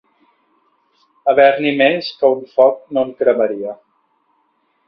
Haver-n'hi més que un foc no en cremaria.